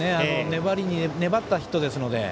粘りに粘ってヒットですので。